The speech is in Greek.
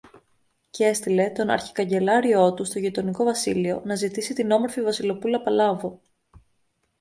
Κι έστειλε τον αρχικαγκελάριό του στο γειτονικό βασίλειο, να ζητήσει την όμορφη Βασιλοπούλα Παλάβω